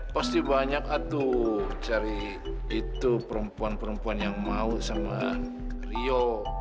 pasti banyak cari perempuan perempuan yang mau sama rio